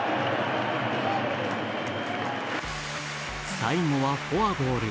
最後はフォアボール。